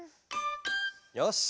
よし！